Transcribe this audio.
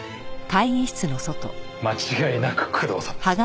間違いなく工藤さんです。